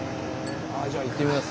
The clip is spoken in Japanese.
ああじゃあ行ってみます。